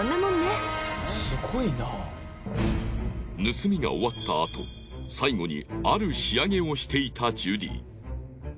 盗みが終わったあと最後にある仕上げをしていたジュディ。